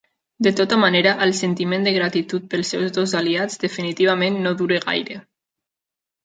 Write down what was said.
De tota manera, el sentiment de gratitud pels seus dos aliats definitivament no dura gaire.